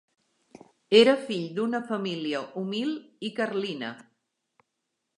Era fill d'una família humil i carlina.